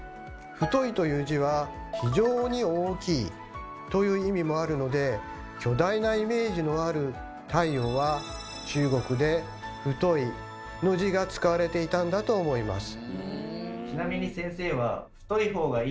「太」という字は「非常に大きい」という意味もあるので巨大なイメージのある太陽は中国で「太」の字が使われていたんだと思います。